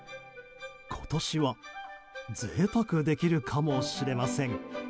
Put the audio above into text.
今年はぜいたくできるかもしれません。